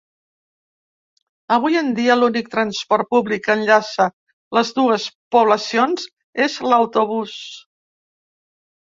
Avui en dia, l'únic transport públic que enllaça les dues poblacions és l'autobús.